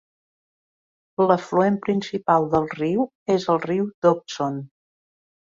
L'afluent principal del riu és el riu Dobson.